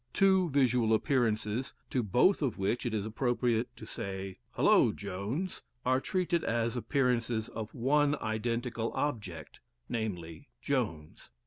Two visual appearances, to both of which it is appropriate to say: "Hullo, Jones!" are treated as appearances of one identical object, namely Jones.